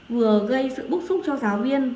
vừa gây sự bức xúc cho giáo viên